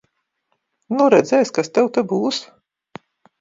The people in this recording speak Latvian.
Nu redzēs, kas tev te būs.